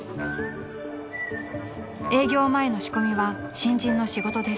［営業前の仕込みは新人の仕事です］